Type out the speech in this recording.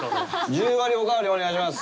１０割おかわりお願いします。